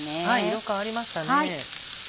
色変わりましたね。